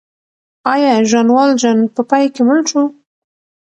آیا ژان والژان په پای کې مړ شو؟